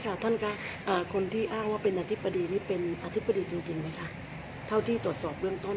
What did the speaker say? ท่านค่ะคนที่อ้างว่าเป็นอธิบดีนี่เป็นอธิบดีจริงจริงไหมคะเท่าที่ตรวจสอบเบื้องต้น